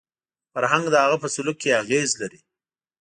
فرهنګ د هغه په سلوک کې اغېز لري